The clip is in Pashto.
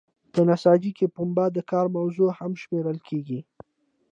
په نساجۍ کې پنبه د کار موضوع هم شمیرل کیږي.